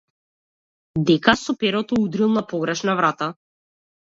Дека со перото удрил на погрешна врата.